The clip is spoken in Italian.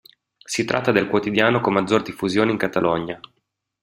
Si tratta del quotidiano con maggior diffusione in Catalogna.